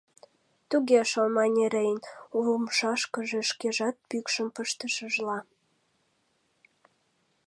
— Туге шол, — мане Рейн умшашкыже шкежат пӱкшым пыштышыжла.